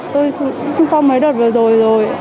tôi sử dụng phòng mấy đợt vừa rồi rồi